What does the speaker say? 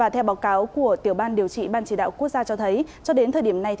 theo báo cáo của tiểu ban điều trị ban chỉ đạo quốc gia cho thấy cho đến thời điểm này